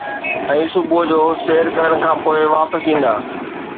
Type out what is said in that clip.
۽ صبح جو سير ڪرڻ کان پوءِ واپس ايندا.